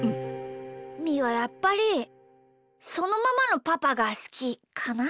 みーはやっぱりそのままのパパがすきかな。